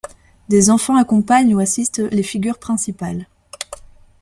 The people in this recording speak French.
Des enfants accompagnent ou assistent les figures principales.